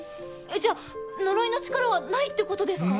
じゃあ呪いの力はないって事ですか？